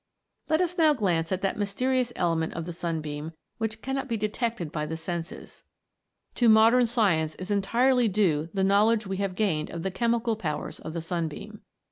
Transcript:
Let us now glance at that mysterious element of the sunbeam which cannot be detected by the senses. To modern science is entirely due the 100 THE MAGIC OF THE SUNBEAM. knowledge we have gained of the chemical powers of the sunbeam.